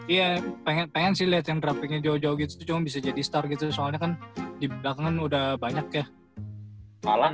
iya pengen sih liat yang draft picknya jauh jauh gitu cuma bisa jadi star gitu soalnya kan dibelakang kan udah banyak ya